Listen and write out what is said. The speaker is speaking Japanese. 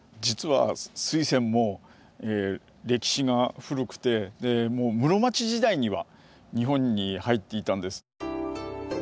実はスイセンも歴史が古くて室町時代には日本に入っていたんです。